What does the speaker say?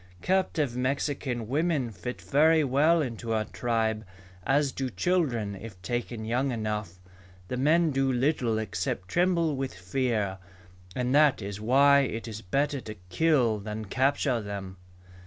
Captive Mexican women fit very well into our tribe, as do children if taken young enough. The men do little except tremble with fear, and that is why it is better to kill than capture them."